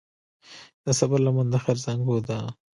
د صبر لمن د خیر زانګو ده.